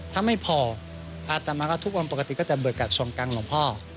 ถ้าไม่พออาตมารุนเรียนทุกวันปกติก็จะเบิดกับชวนกลางหลงพ่อ